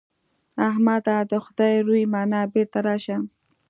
احمده! د خدای روی منه؛ بېرته راشه.